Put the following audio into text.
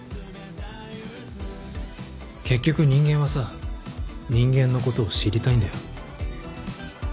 結局人間はさ人間のことを知りたいんだよ。